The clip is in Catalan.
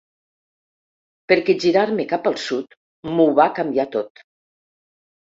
Perquè girar-me cap al sud m'ho va canviar tot.